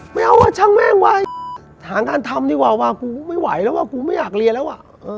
ไม่เอาชั่งแม่งหางานทำดีกว่าไม่ไหวแล้วก็ไม่อยากเรียนแล้ว